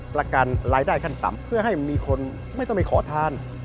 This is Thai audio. ประกันรายได้ขั้นต่ำเพื่อให้มีคนไม่ต้องไปขอทาน